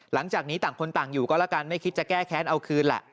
หลังจากนี้ต่างคนต่างอยู่ก็แล้วกันไม่คิดจะแก้แค้นเอาคืนแหละ